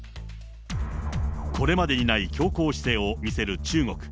これまでにない強硬姿勢を見せる中国。